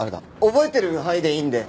覚えてる範囲でいいんで。